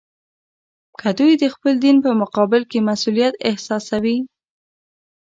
که دوی د خپل دین په مقابل کې مسوولیت احساسوي.